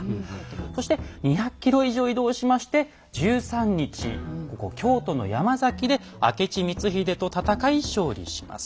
そして２００ｋｍ以上移動しまして１３日京都の山崎で明智光秀と戦い勝利します。